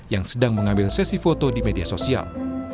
yang sedang mengambil sesi foto di media sosial